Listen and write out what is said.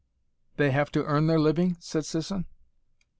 "They have to earn their living?" said Sisson.